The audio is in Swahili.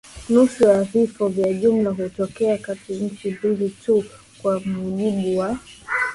nusu ya vifo vya jumla hutokea katika nchi mbili tu kwa mujibu wa